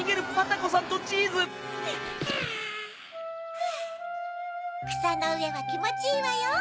フゥくさのうえはきもちいいわよ。